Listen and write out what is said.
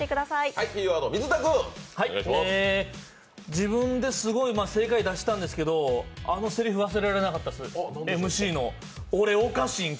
自分ですごい正解出したんですけどあのせりふ、忘れられなかったです、ＭＣの。